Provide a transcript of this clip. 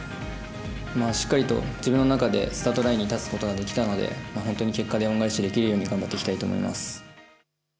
しっかり自分の中でスタートラインに立つことができたので本当に結果で恩返しできるように頑張っていきたいと思います。